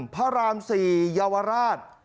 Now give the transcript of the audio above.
พระราม๔เยาวราช